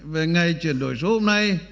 về ngày chuyển đổi số hôm nay